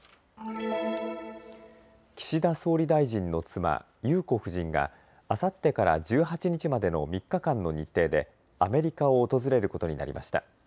岸田総理大臣の妻、裕子夫人があさってから１８日までの３日間の日程でアメリカを訪れることになりました。